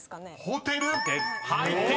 「ホテル」